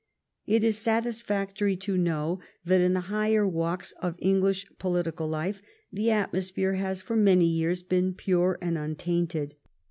It is satisfactory to know that in the higher walks of English political life the atmosphere has for many years been pure and untainted.